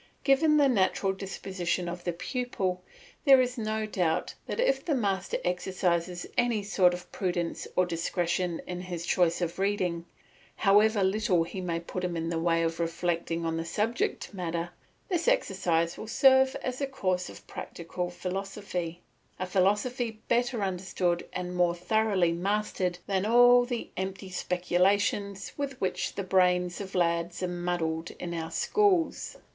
Given the natural disposition of the pupil, there is no doubt that if the master exercises any sort of prudence or discretion in his choice of reading, however little he may put him in the way of reflecting on the subject matter, this exercise will serve as a course in practical philosophy, a philosophy better understood and more thoroughly mastered than all the empty speculations with which the brains of lads are muddled in our schools.